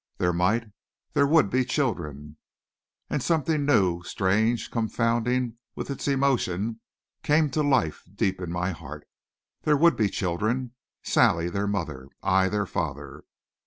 There might there would be children. And something new, strange, confounding with its emotion, came to life deep in my heart. There would be children! Sally their mother; I their father!